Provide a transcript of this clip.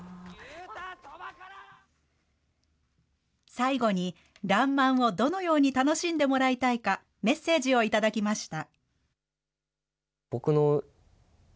最後に、らんまんをどのように楽しんでもらいたいか、メッセージを頂きました。